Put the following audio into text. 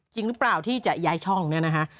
จริงหรือเปล่าที่จะย้ายช่องเนี่ยนะฮะ